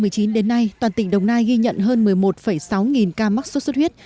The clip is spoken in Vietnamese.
từ đầu năm hai nghìn một mươi chín đến nay toàn tỉnh đồng nai ghi nhận hơn một mươi một sáu nghìn ca mắc sốt xuất huyết